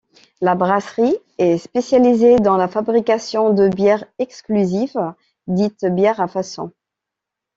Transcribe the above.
La brasserie est spécialisée dans la fabrication de bières exclusives dites bières à façon.